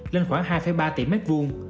lên khoảng hai ba tỷ mét vuông